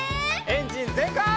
エンジンぜんかい！